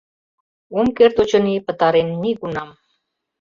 Ом керт, очыни, пытарен нигунам.